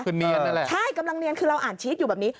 คือเนียนนั่นแหละใช่กำลังเนียนคือเราอ่านชีสอยู่แบบนี้